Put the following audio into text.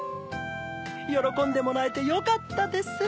よろこんでもらえてよかったです。